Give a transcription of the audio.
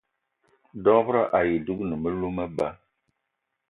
Dob-ro ayi dougni melou meba.